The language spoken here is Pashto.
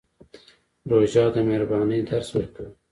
روژه د مهربانۍ درس ورکوي.